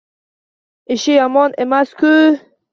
Ishi yomon emas-ku